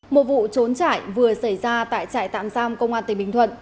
một vụ trốn chạy vừa xảy ra tại trại tạm giam công an tỉnh bình thuận